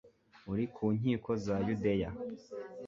uri ku nkiko za yudeya